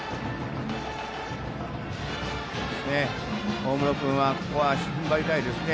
大室君はここは足踏ん張りたいですね。